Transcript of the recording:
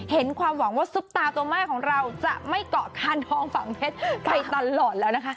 เห็นความหวังว่าซุปตาตัวไหม้ที่เราจะไม่เกาะคาลทองฝั่งเจ็ดไปตอนล่อนแล้วนะคะ